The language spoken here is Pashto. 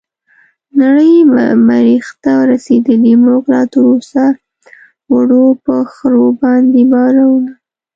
نړۍ مريح ته رسيدلې موږ لا تراوسه وړو په خرو باندې بارونه